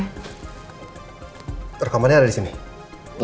ya harusnya ada disitu sih karena gue gak pernah ngerasa ngapus